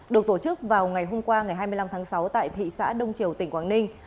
được tổ chức vào ngày hôm qua ngày hai mươi năm tháng sáu tại thị xã đông triều tỉnh quảng ninh